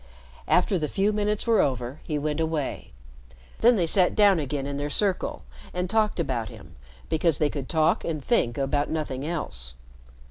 After the few minutes were over, he went away. Then they sat down again in their circle and talked about him, because they could talk and think about nothing else.